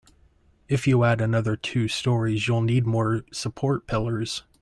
If you add another two storeys, you'll need more support pillars.